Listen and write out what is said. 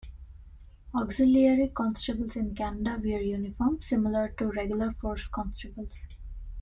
Auxiliary constables in Canada wear uniforms similar to regular force constables.